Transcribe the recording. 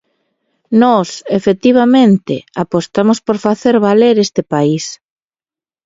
Nós efectivamente apostamos por facer valer este país.